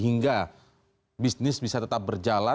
hingga bisnis bisa tetap berjalan